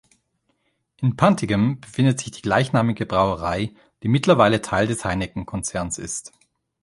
In Puntigam befindet sich die gleichnamige Brauerei, die mittlerweile Teil des Heineken-Konzerns ist.